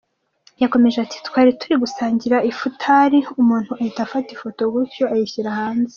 Yakomeje ati “Twari turi gusangira ifutari, umuntu ahita afata ifoto gutyo ayishyira hanze.